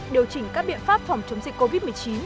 điều chỉnh các biện pháp phòng chống dịch covid một mươi chín